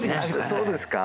そうですか？